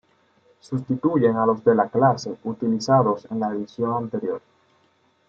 Sustituyen a los de la clase utilizados en la edición anterior.